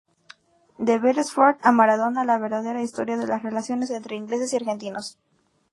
De Beresford a Maradona, la verdadera historia de las relaciones entre ingleses y argentinos".